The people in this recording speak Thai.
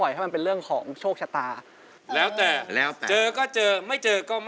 ครับ